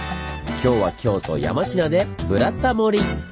今日は京都・山科で「ブラタモリ」！